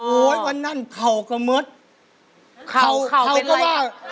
โอ้ววันนั้นเตรมเลย